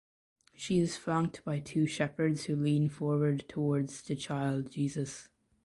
She is flanked by two shepherds who lean forward towards the Child Jesus.